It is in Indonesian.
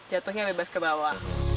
jatuhnya bebas ke bawah